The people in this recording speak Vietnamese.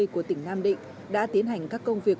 của tỉnh nam định đã tiến hành các công việc